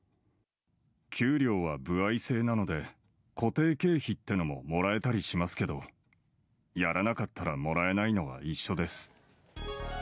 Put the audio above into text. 給料は歩合制なので、固定経費ってのももらえたりしますけど、やらなかったらもらえないのは一緒です。